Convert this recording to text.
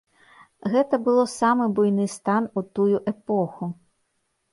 Гэта было самы буйны стан у тую эпоху.